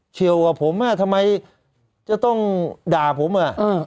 เชียวกว่าผมทำไมจะต้องด่าผมอ่ะ